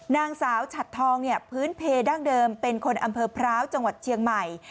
นางสาวฉัดทองเนี่ยพื้นเพดั้งเดิมเป็นคนอำเภอพร้าวจังหวัดเชียงใหม่